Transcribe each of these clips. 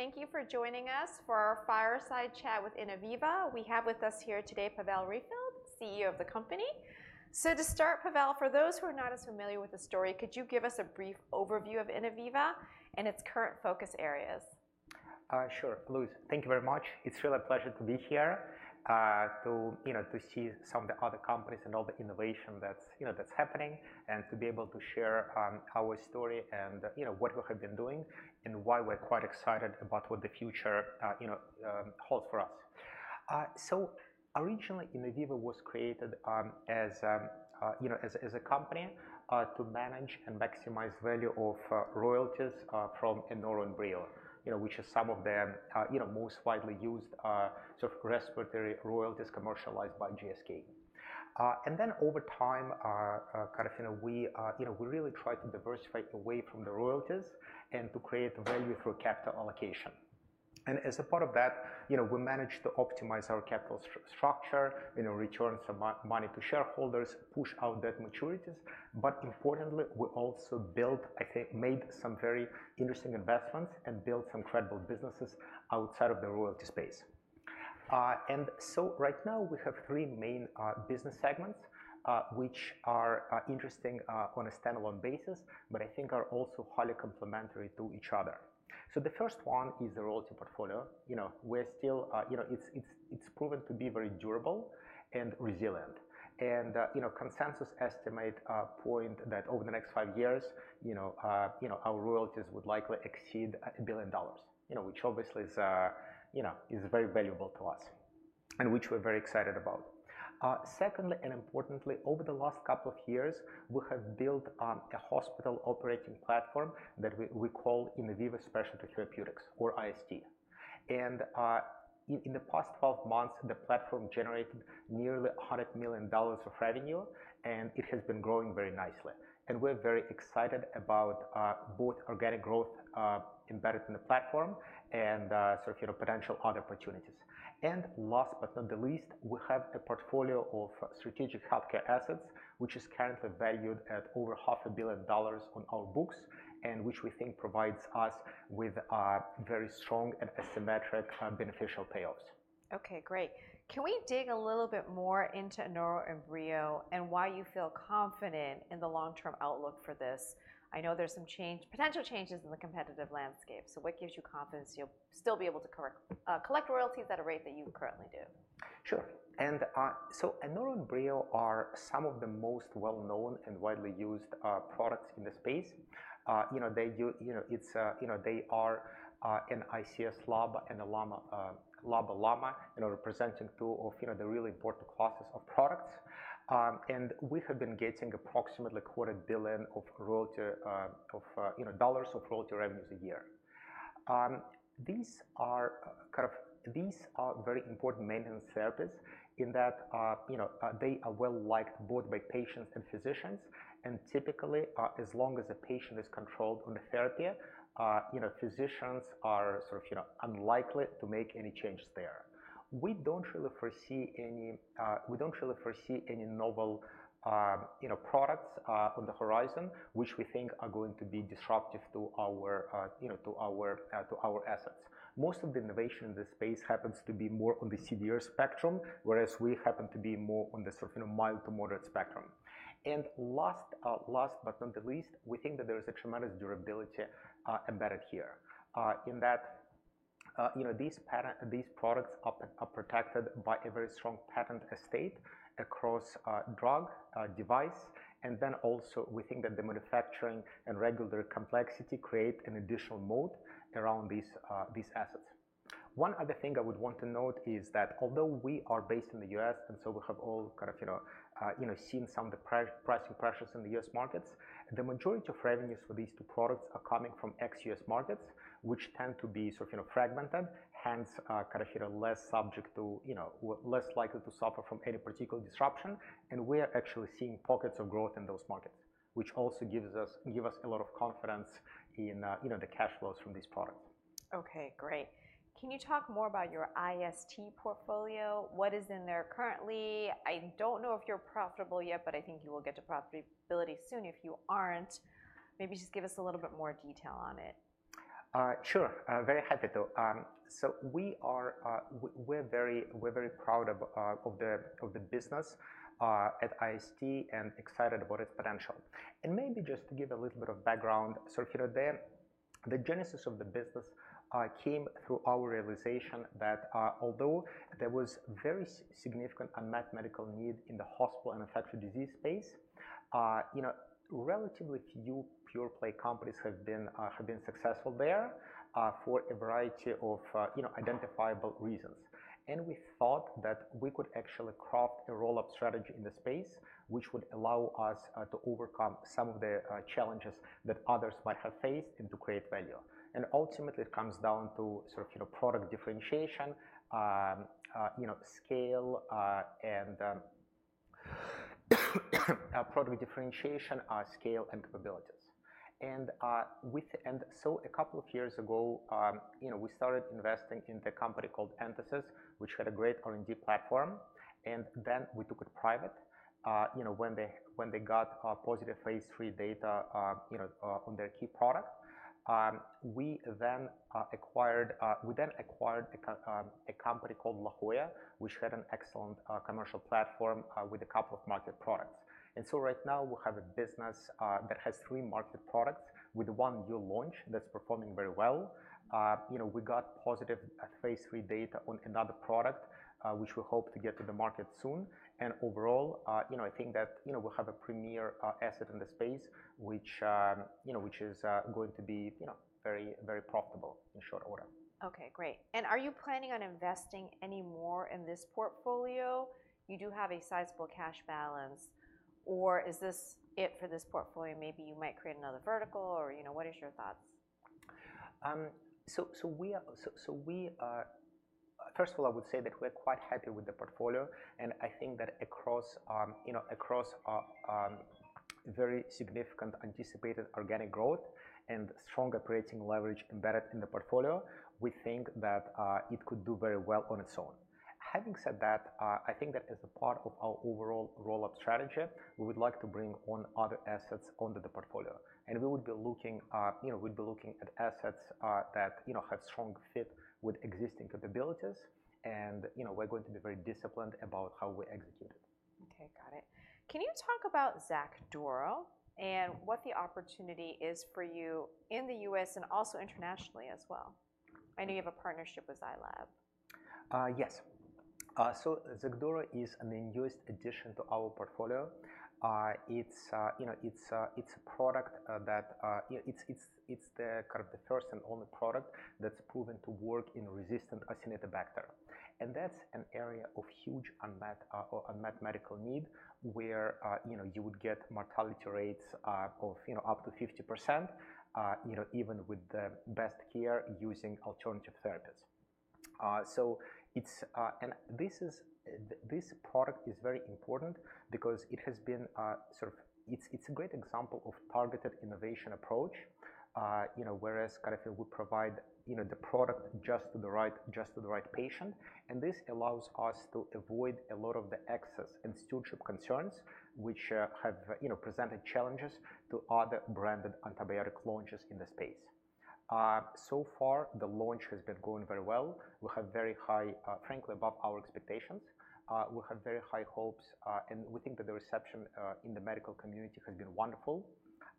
Thank you for joining us for our fireside chat with Innoviva. We have with us here today, Pavel Raifeld, CEO of the company. So to start, Pavel, for those who are not as familiar with the story, could you give us a brief overview of Innoviva and its current focus areas? Sure, Louise. Thank you very much. It's really a pleasure to be here, to see some of the other companies and all the innovation that's happening, and to be able to share our story and what we have been doing and why we're quite excited about what the future holds for us. So originally, Innoviva was created as a company to manage and maximize value of royalties from Anoro and Breo. You know, which is some of the most widely used sort of respiratory royalties commercialized by GSK. And then over time, kind of, you know, we really tried to diversify away from the royalties and to create value through capital allocation. As a part of that, you know, we managed to optimize our capital structure, you know, return some money to shareholders, push out debt maturities, but importantly, we also built, I think, made some very interesting investments and built some incredible businesses outside of the royalty space. Right now, we have three main business segments, which are interesting on a standalone basis, but I think are also highly complementary to each other. The first one is the royalty portfolio. You know, we're still. You know, it's proven to be very durable and resilient. You know, consensus estimate point that over the next five years, you know, you know, our royalties would likely exceed $1 billion, you know, which obviously is, you know, is very valuable to us and which we're very excited about. Secondly, and importantly, over the last couple of years, we have built a hospital operating platform that we call Innoviva Specialty Therapeutics or IST. And in the past 12 months, the platform generated nearly $100 million of revenue, and it has been growing very nicely. And we're very excited about both organic growth embedded in the platform and sort of, you know, potential other opportunities. And last but not the least, we have a portfolio of strategic healthcare assets, which is currently valued at over $500 million on our books, and which we think provides us with very strong and asymmetric beneficial payoffs. Okay, great. Can we dig a little bit more into Anoro and Breo and why you feel confident in the long-term outlook for this? I know there's some change, potential changes in the competitive landscape, so what gives you confidence you'll still be able to collect royalties at a rate that you currently do? Sure. And so Anoro and Breo are some of the most well-known and widely used products in the space. You know, they are an ICS/LABA and a LAMA, LABA/LAMA, you know, representing two of you know the really important classes of products. And we have been getting approximately $250 million of royalty revenues a year. These are kind of... These are very important maintenance therapies in that, you know, they are well-liked both by patients and physicians, and typically, as long as a patient is controlled on the therapy, you know, physicians are sort of, you know, unlikely to make any changes there. We don't really foresee any novel, you know, products on the horizon, which we think are going to be disruptive to our, you know, to our assets. Most of the innovation in this space happens to be more on the severe spectrum, whereas we happen to be more on the sort of, you know, mild to moderate spectrum. And last but not the least, we think that there is a tremendous durability embedded here, in that, you know, these products are protected by a very strong patent estate across drug, device. And then also, we think that the manufacturing and regulatory complexity create an additional moat around these assets. One other thing I would want to note is that although we are based in the U.S., and so we have all kind of, you know, seen some of the pricing pressures in the U.S. markets, the majority of revenues for these two products are coming from ex-U.S. markets, which tend to be sort of, you know, fragmented, hence, kind of, you know, less subject to, you know... less likely to suffer from any particular disruption. And we are actually seeing pockets of growth in those markets, which also give us a lot of confidence in, you know, the cash flows from this product. Okay, great. Can you talk more about your IST portfolio? What is in there currently? I don't know if you're profitable yet, but I think you will get to profitability soon. If you aren't, maybe just give us a little bit more detail on it. Sure. Very happy to. So we're very proud of the business at IST and excited about its potential, and maybe just to give a little bit of background, so you know, the genesis of the business came through our realization that although there was very significant unmet medical need in the hospital and infectious disease space, you know, relatively few pure-play companies have been successful there for a variety of identifiable reasons, and we thought that we could actually craft a roll-up strategy in the space, which would allow us to overcome some of the challenges that others might have faced and to create value. And ultimately, it comes down to sort of, you know, our product differentiation, our scale, and capabilities. And so a couple of years ago, you know, we started investing in the company called Entasis, which had a great R&D platform, and then we took it private. You know, when they got positive phase III data, you know, on their key product, we then acquired a company called La Jolla, which had an excellent commercial platform with a couple of market products. And so right now we have a business that has three market products, with one new launch that's performing very well. You know, we got positive phase III data on another product, which we hope to get to the market soon, and overall, you know, I think that, you know, we'll have a premier asset in the space, which, you know, which is going to be, you know, very, very profitable in short order. Okay, great. And are you planning on investing any more in this portfolio? You do have a sizable cash balance, or is this it for this portfolio, maybe you might create another vertical or, you know, what is your thoughts? So we are. First of all, I would say that we're quite happy with the portfolio, and I think that across, you know, across very significant anticipated organic growth and strong operating leverage embedded in the portfolio, we think that it could do very well on its own. Having said that, I think that as a part of our overall roll-up strategy, we would like to bring on other assets under the portfolio, and we would be looking, you know, we'd be looking at assets that, you know, have strong fit with existing capabilities. And, you know, we're going to be very disciplined about how we execute it. Okay, got it. Can you talk about XACDURO and what the opportunity is for you in the U.S. and also internationally as well? I know you have a partnership with Zai Lab. Yes. So XACDURO is the newest addition to our portfolio. It's, you know, it's a product that it's kind of the first and only product that's proven to work in resistant Acinetobacter. And that's an area of huge unmet medical need, where you know you would get mortality rates of you know up to 50% you know even with the best care using alternative therapies. So it's. And this product is very important because it has been sort of. It's a great example of targeted innovation approach. You know, whereas kind of we provide, you know, the product just to the right, just to the right patient, and this allows us to avoid a lot of the excess and stewardship concerns, which have, you know, presented challenges to other branded antibiotic launches in the space. So far, the launch has been going very well. We have very high, frankly, above our expectations. We have very high hopes, and we think that the reception in the medical community has been wonderful.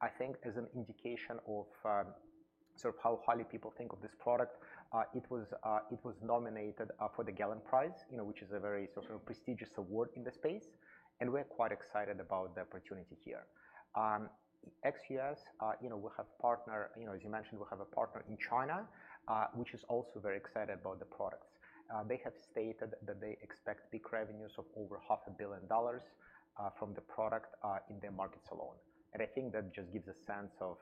I think as an indication of sort of how highly people think of this product, it was nominated for the Prix Galien, you know, which is a very sort of prestigious award in the space, and we're quite excited about the opportunity here. XACDURO, you know, we have a partner, you know, as you mentioned, we have a partner in China, which is also very excited about the products. They have stated that they expect peak revenues of over $500 million from the product in their markets alone. I think that just gives a sense of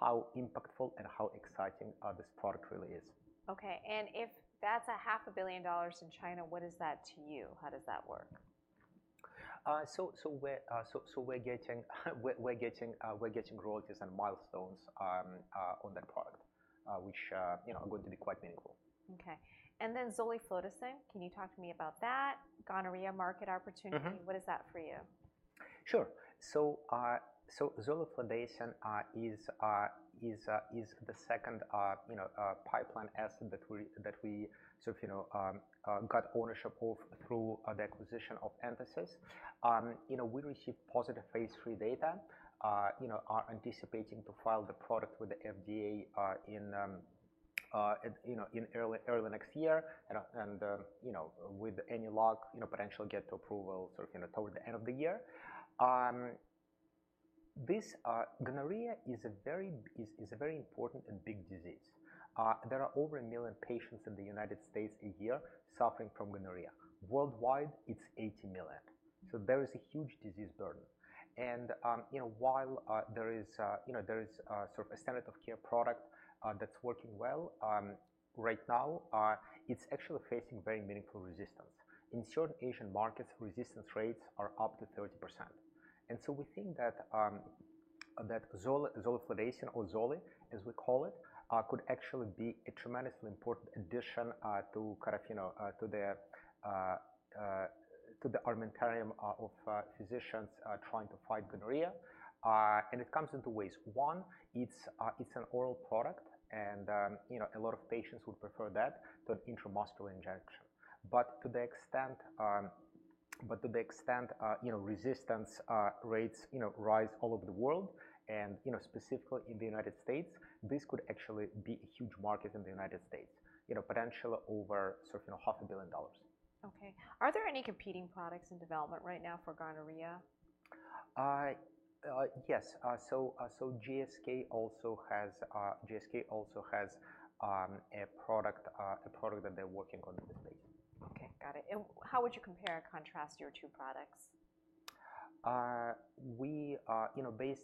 how impactful and how exciting this product really is. Okay. And if that's $500 million in China, what is that to you? How does that work? So we're getting royalties and milestones on that product, which, you know, are going to be quite meaningful. Okay. And then Zoliflodacin, can you talk to me about that, Gonorrhea market opportunity? Mm-hmm. What is that for you? Sure. So, Zoliflodacin is the second, you know, pipeline asset that we sort of, you know, got ownership of through the acquisition of Entasis. You know, we received positive phase III data, you know, are anticipating to file the product with the FDA, you know, in early next year. And, you know, with any luck, you know, potentially get to approval sort of toward the end of the year. This, Gonorrhea is a very important and big disease. There are over a million patients in the United States a year suffering from Gonorrhea. Worldwide, it's eighty million. So there is a huge disease burden. You know, while there is sort of a standard of care product that's working well right now, it's actually facing very meaningful resistance. In certain Asian markets, resistance rates are up to 30%. And so we think that Zoliflodacin or Zole, as we call it, could actually be a tremendously important addition to kind of, you know, to the armamentarium of physicians trying to fight Gonorrhea. And it comes in two ways. One, it's an oral product, and you know, a lot of patients would prefer that to an intramuscular injection. To the extent you know resistance rates you know rise all over the world and you know specifically in the United States, this could actually be a huge market in the United States, you know, potentially over sort of you know $500 million. Okay. Are there any competing products in development right now for Gonorrhea? Yes, so GSK also has a product that they're working on in this space. Okay, got it. And how would you compare and contrast your two products? ... we are, you know, based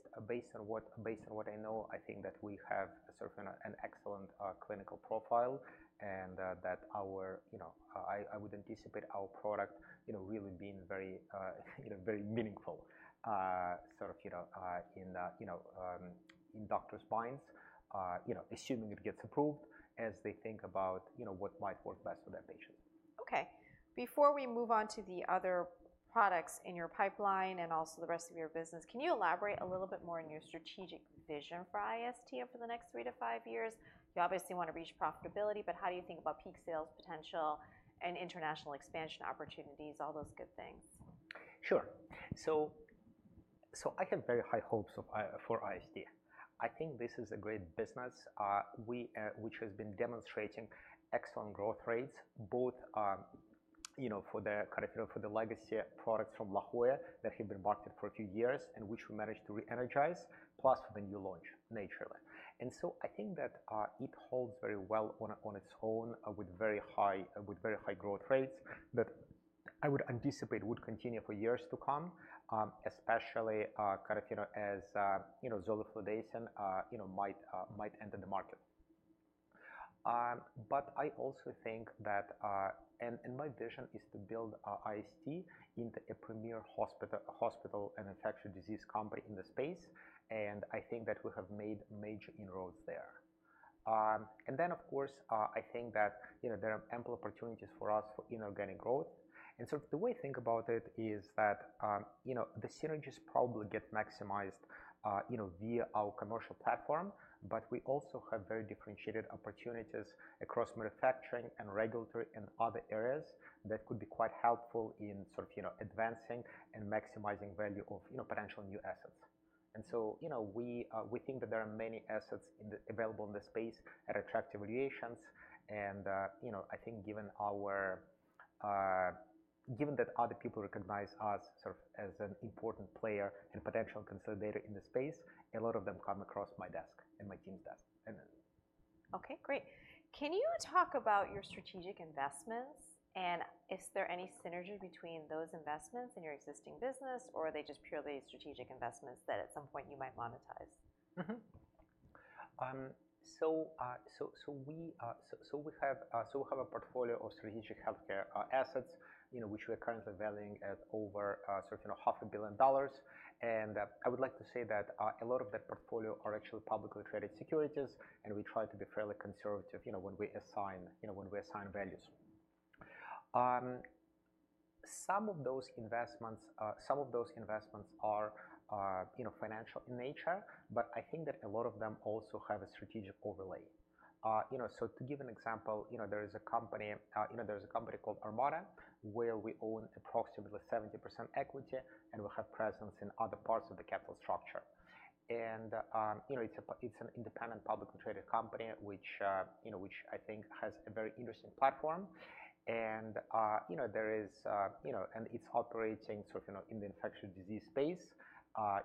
on what I know, I think that we have sort of an excellent clinical profile, and that our, you know, I would anticipate our product, you know, really being very, you know, very meaningful, sort of, you know, in doctors' minds, you know, assuming it gets approved, as they think about, you know, what might work best for their patient. Okay. Before we move on to the other products in your pipeline and also the rest of your business, can you elaborate a little bit more on your strategic vision for IST over the next three to five years? You obviously wanna reach profitability, but how do you think about peak sales potential and international expansion opportunities, all those good things? Sure. So I have very high hopes for IST. I think this is a great business, which has been demonstrating excellent growth rates, both, you know, for the kind of, you know, for the legacy products from La Jolla that have been marketed for a few years and which we managed to re-energize, plus the new launch, XERAVA. And so I think that it holds very well on its own, with very high growth rates that I would anticipate would continue for years to come, especially, kind of, you know, as, you know, Zoliflodacin might enter the market. But I also think that... And my vision is to build IST into a premier hospital and infectious disease company in the space, and I think that we have made major inroads there. And then, of course, I think that, you know, there are ample opportunities for us for inorganic growth. And so the way I think about it is that, you know, the synergies probably get maximized, you know, via our commercial platform, but we also have very differentiated opportunities across manufacturing and regulatory and other areas that could be quite helpful in sort of, you know, advancing and maximizing value of, you know, potential new assets. And so, you know, we think that there are many assets available in the space at attractive valuations. And, you know, I think given that other people recognize us sort of as an important player and potential consolidator in the space, a lot of them come across my desk and my team's desk. And then- Okay, great. Can you talk about your strategic investments, and is there any synergy between those investments and your existing business, or are they just purely strategic investments that at some point you might monetize? Mm-hmm. So we have a portfolio of strategic healthcare assets, you know, which we are currently valuing at over, sort of, you know, $500 million. And, I would like to say that, a lot of that portfolio are actually publicly traded securities, and we try to be fairly conservative, you know, when we assign, you know, when we assign values. Some of those investments, some of those investments are, you know, financial in nature, but I think that a lot of them also have a strategic overlay. You know, so to give an example, you know, there is a company, you know, there's a company called Armata, where we own approximately 70% equity, and we have presence in other parts of the capital structure. And, you know, it's an independent, publicly traded company, which, you know, which I think has a very interesting platform. And, you know, and it's operating sort of, you know, in the infectious disease space,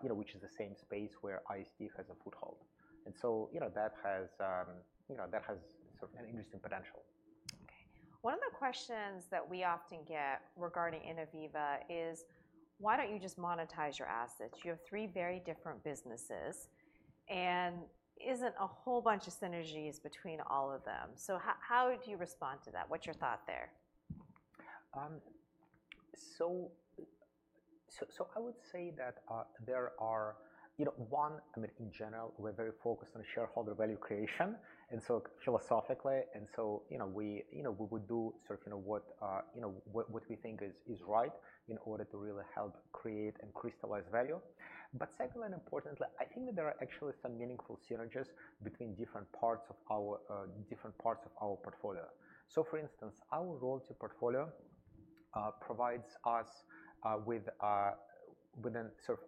you know, which is the same space where IST has a foothold. And so, you know, that has, you know, that has sort of an interesting potential. Okay. One of the questions that we often get regarding Innoviva is: why don't you just monetize your assets? You have three very different businesses, and there isn't a whole bunch of synergies between all of them. So how would you respond to that? What's your thought there? So, I would say that, you know, I mean, in general, we're very focused on shareholder value creation, and so philosophically, you know, we would do sort of, you know, what we think is right in order to really help create and crystallize value. But secondly, and importantly, I think that there are actually some meaningful synergies between different parts of our portfolio. So, for instance, our royalty portfolio provides us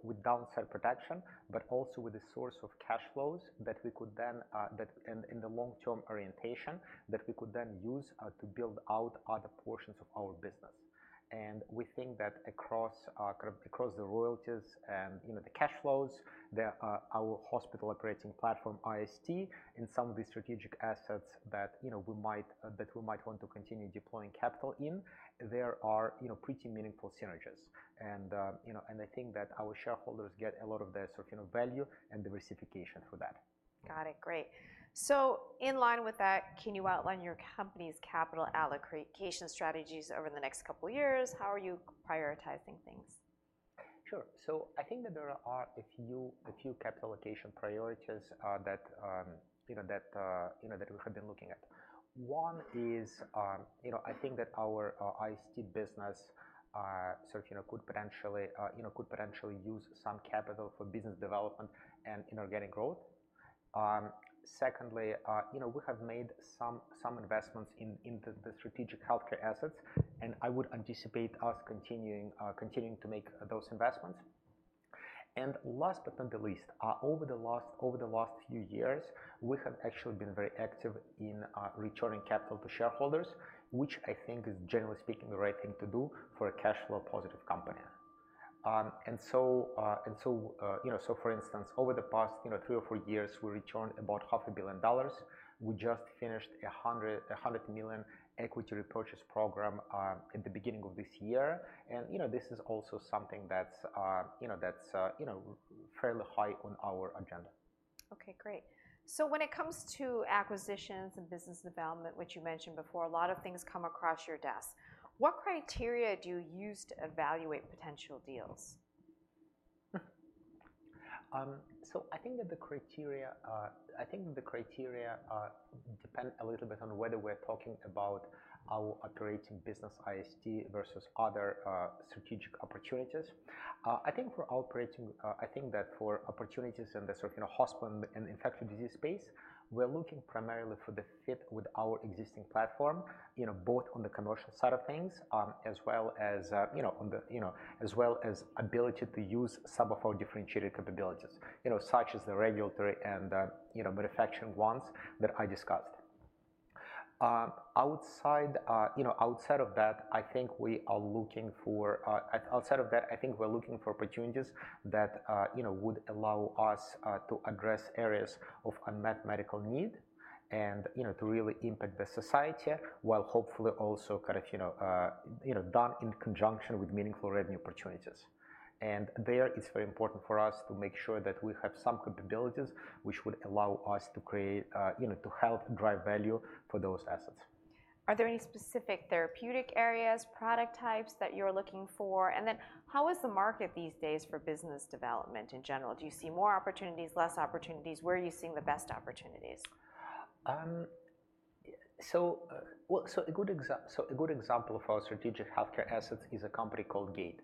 with downside protection, but also with a source of cash flows that we could then use, and in the long-term orientation, to build out other portions of our business. And we think that across, kind of across the royalties and, you know, the cash flows, there are our hospital operating platform, IST, and some of the strategic assets that, you know, we might want to continue deploying capital in, there are, you know, pretty meaningful synergies. And, you know, and I think that our shareholders get a lot of the sort of, you know, value and diversification for that. Got it. Great. So in line with that, can you outline your company's capital allocation strategies over the next couple of years? How are you prioritizing things? Sure. So I think that there are a few capital allocation priorities that you know that we have been looking at. One is, you know, I think that our IST business sort of you know could potentially use some capital for business development and inorganic growth. Secondly, you know, we have made some investments in the strategic healthcare assets, and I would anticipate us continuing to make those investments. And last but not the least, over the last few years, we have actually been very active in returning capital to shareholders, which I think is, generally speaking, the right thing to do for a cash flow positive company. And so, you know, so for instance, over the past, you know, three or four years, we returned about $500 million. We just finished a $100 million equity repurchase program at the beginning of this year, and, you know, this is also something that's, you know, fairly high on our agenda. Okay, great. So when it comes to acquisitions and business development, which you mentioned before, a lot of things come across your desk. What criteria do you use to evaluate potential deals? So I think that the criteria depend a little bit on whether we're talking about our operating business, IST, versus other strategic opportunities. I think that for opportunities in the sort of, you know, hospital and infectious disease space, we're looking primarily for the fit with our existing platform, you know, both on the commercial side of things, as well as, you know, on the, you know, as well as ability to use some of our differentiated capabilities. You know, such as the regulatory and, you know, manufacturing ones that I discussed. Outside, you know, outside of that, I think we are looking for... Outside of that, I think we're looking for opportunities that, you know, would allow us to address areas of unmet medical need and, you know, to really impact the society, while hopefully also kind of, you know, you know, done in conjunction with meaningful revenue opportunities. And there, it's very important for us to make sure that we have some capabilities which would allow us to create, you know, to help drive value for those assets. Are there any specific therapeutic areas, product types that you're looking for? And then how is the market these days for business development in general? Do you see more opportunities, less opportunities? Where are you seeing the best opportunities? So a good example of our strategic healthcare assets is a company called Gate.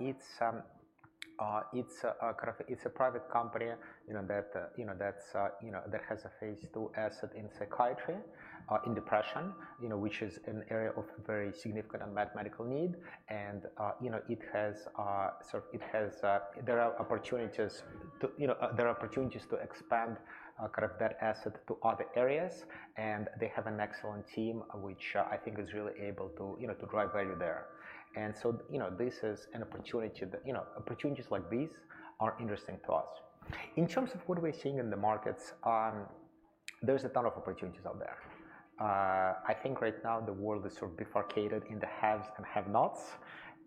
It's a kind of private company, you know, that has a phase II asset in psychiatry, in depression, you know, which is an area of very significant unmet medical need. And, you know, it has sort of there are opportunities to, you know, expand kind of that asset to other areas, and they have an excellent team, which I think is really able to, you know, to drive value there. And so, you know, this is an opportunity that, you know, opportunities like these are interesting to us. In terms of what we're seeing in the markets, there's a ton of opportunities out there. I think right now the world is sort of bifurcated into haves and have-nots,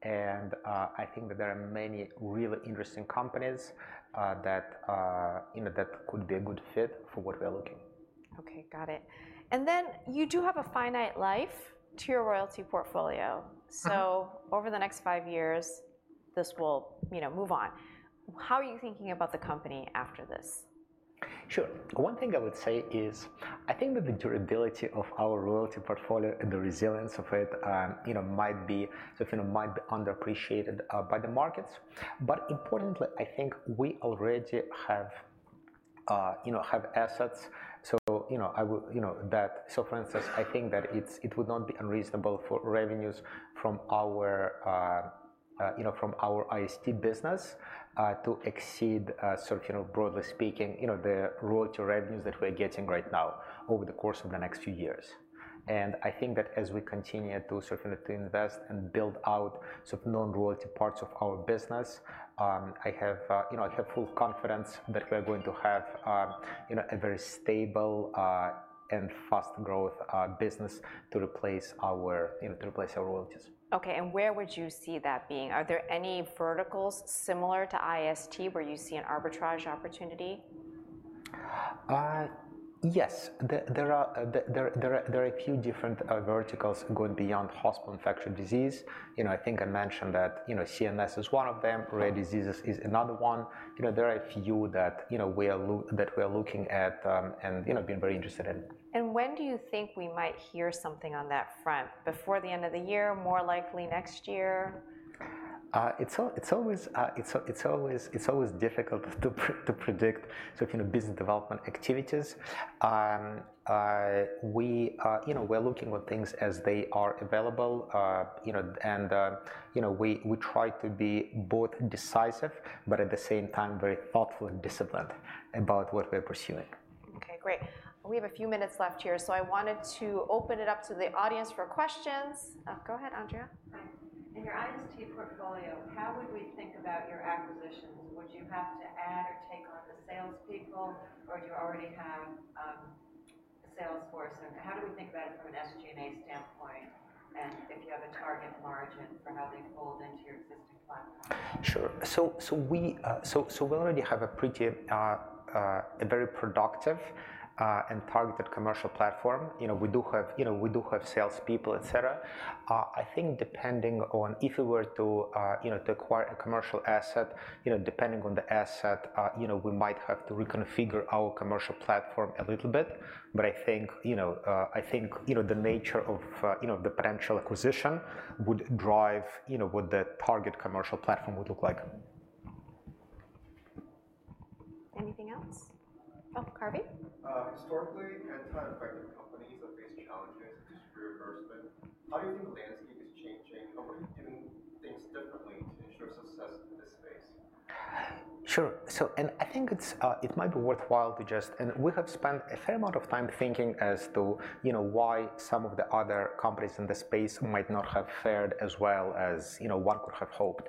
and I think that there are many really interesting companies that you know that could be a good fit for what we're looking. Okay, got it. And then you do have a finite life to your royalty portfolio. Mm-hmm. So over the next five years, this will, you know, move on. How are you thinking about the company after this? Sure. One thing I would say is I think that the durability of our royalty portfolio and the resilience of it, you know, might be sort of, you know, might be underappreciated by the markets. But importantly, I think we already have, you know, assets. So, you know, I would, you know. So for instance, I think that it would not be unreasonable for revenues from our, you know, from our IST business to exceed, sort of, you know, broadly speaking, you know, the royalty revenues that we're getting right now over the course of the next few years. I think that as we continue to sort of invest and build out sort of non-royalty parts of our business, I have full confidence that we're going to have, you know, a very stable and fast growth business to replace our royalties, you know. Okay, and where would you see that being? Are there any verticals similar to IST where you see an arbitrage opportunity? Yes. There are a few different verticals going beyond hospital infectious disease. You know, I think I mentioned that, you know, CNS is one of them-Rare diseases is another one. You know, there are a few that, you know, we are looking at, and, you know, being very interested in. When do you think we might hear something on that front? Before the end of the year, more likely next year? It's always difficult to predict sort of, you know, business development activities. You know, we're looking at things as they are available. You know, we try to be both decisive, but at the same time, very thoughtful and disciplined about what we're pursuing. Okay, great. We have a few minutes left here, so I wanted to open it up to the audience for questions. Go ahead, Andrea. Hi. In your IST portfolio, how would we think about your acquisitions? Would you have to add or take on the salespeople, or do you already have a salesforce? And how do we think about it from an SG&A standpoint, and if you have a target margin for how they fold into your existing platform? Sure. So we already have a pretty, very productive and targeted commercial platform. You know, we do have, you know, we do have salespeople, et cetera. I think depending on if we were to, you know, to acquire a commercial asset, you know, depending on the asset, you know, we might have to reconfigure our commercial platform a little bit. But I think, you know, the nature of, you know, the potential acquisition would drive, you know, what the target commercial platform would look like. Anything else? Oh, Carvey? Historically, anti-infective companies have faced challenges with insurance reimbursement. How do you think the landscape is changing, and what are you doing things differently to ensure success in this space?... Sure. So, and I think it might be worthwhile, and we have spent a fair amount of time thinking as to, you know, why some of the other companies in the space might not have fared as well as, you know, one could have hoped.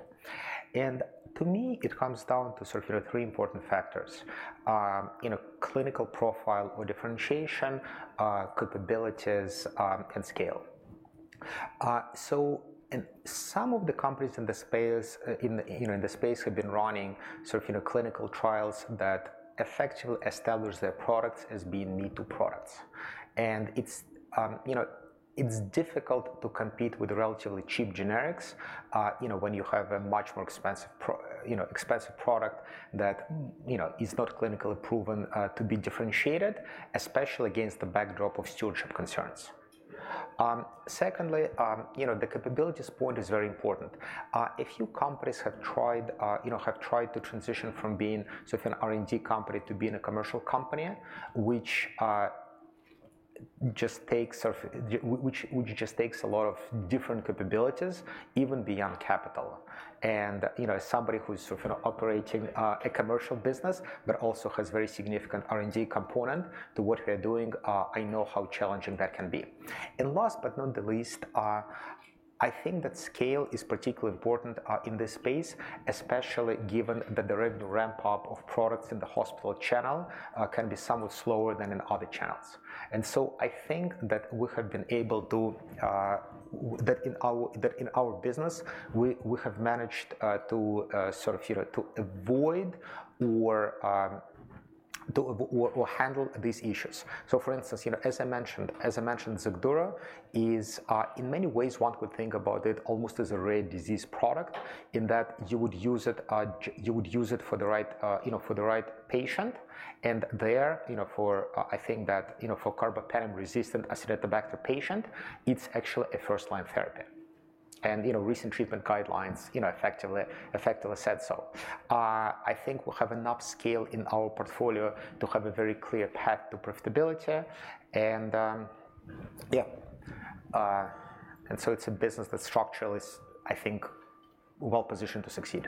And to me, it comes down to sort of, you know, three important factors. You know, clinical profile or differentiation, capabilities, and scale. So and some of the companies in the space, you know, in the space have been running sort of, you know, clinical trials that effectively establish their products as being me-too products. And it's, you know, it's difficult to compete with relatively cheap generics, you know, when you have a much more expensive product that, you know, is not clinically proven to be differentiated, especially against the backdrop of stewardship concerns. Secondly, you know, the capabilities point is very important. A few companies have tried to transition from being sort of an R&D company to being a commercial company, which just takes a lot of different capabilities, even beyond capital. And, you know, as somebody who is sort of operating a commercial business, but also has very significant R&D component to what we are doing, I know how challenging that can be. Last but not the least, I think that scale is particularly important in this space, especially given that the ramp-up of products in the hospital channel can be somewhat slower than in other channels. So I think that we have been able to, in our business, we have managed to sort of, you know, to avoid or handle these issues. For instance, you know, as I mentioned, XACDURO is in many ways, one could think about it almost as a rare disease product, in that you would use it for the right, you know, for the right patient. There, you know, for, I think that, you know, for carbapenem-resistant Acinetobacter patient, it is actually a first-line therapy. You know, recent treatment guidelines, you know, effectively said so. I think we have enough scale in our portfolio to have a very clear path to profitability, and yeah. And so it's a business that structurally is, I think, well positioned to succeed.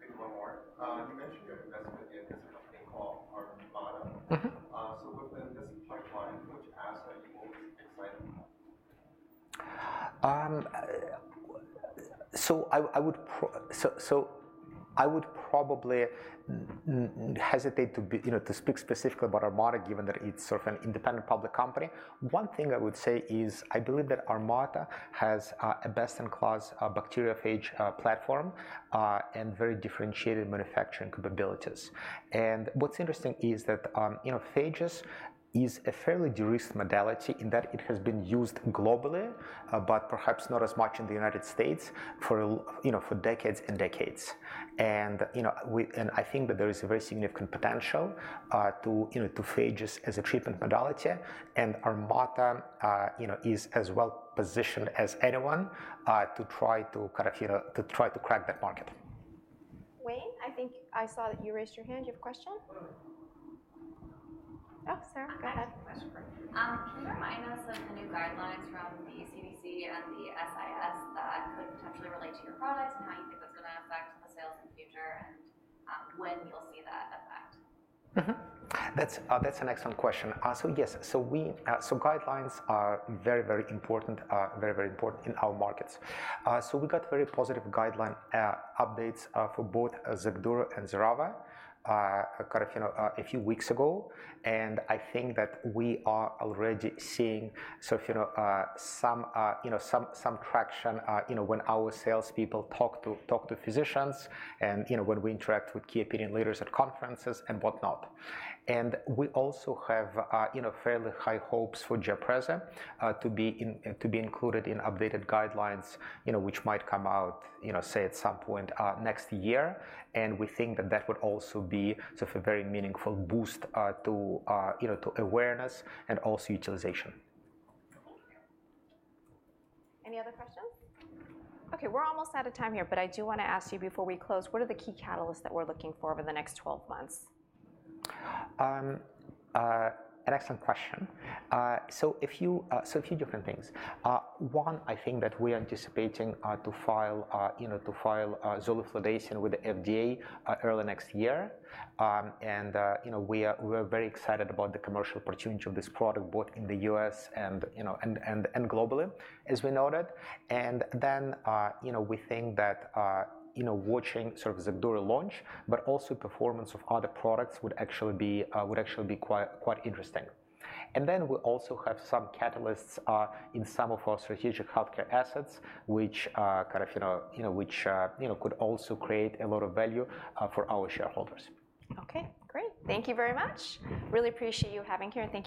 Maybe one more. You mentioned your investment in this company called Armata. Mm-hmm. So within this pipeline, which asset are you most excited about? So I would probably hesitate to be, you know, to speak specifically about Armata, given that it's sort of an independent public company. One thing I would say is I believe that Armata has a best-in-class bacteriophage platform and very differentiated manufacturing capabilities. And what's interesting is that, you know, phages is a fairly de-risked modality in that it has been used globally, but perhaps not as much in the United States for, you know, for decades and decades. And, you know, I think that there is a very significant potential to, you know, to phages as a treatment modality, and Armata, you know, is as well positioned as anyone to try to kind of, you know, to try to crack that market. Wayne, I think I saw that you raised your hand. You have a question? Oh, Sarah, go ahead. Thanks. Can you remind us of the new guidelines from the CDC and the SIS that could potentially relate to your products, and how you think that's gonna affect the sales in the future, and when you'll see that effect? Mm-hmm. That's, that's an excellent question. So yes, guidelines are very, very important, very, very important in our markets. So we got very positive guideline updates for both XACDURO and XERAVA, kind of, you know, a few weeks ago, and I think that we are already seeing sort of, you know, some traction, you know, when our salespeople talk to physicians and, you know, when we interact with key opinion leaders at conferences and whatnot. We also have, you know, fairly high hopes for GIAPREZA to be included in updated guidelines, you know, which might come out, you know, say, at some point next year. And we think that that would also be sort of a very meaningful boost to, you know, to awareness and also utilization. Any other questions? Okay, we're almost out of time here, but I do wanna ask you before we close, what are the key catalysts that we're looking for over the next twelve months? An excellent question. So a few different things. One, I think that we are anticipating to file, you know, Zoliflodacin with the FDA early next year. And, you know, we are very excited about the commercial opportunity of this product, both in the US and, you know, and globally, as we noted. And then, you know, we think that, you know, watching sort of XACDURO launch, but also performance of other products would actually be quite interesting. And then we also have some catalysts in some of our strategic healthcare assets, which kind of, you know, could also create a lot of value for our shareholders. Okay, great. Thank you very much. Really appreciate you having here, and thank you-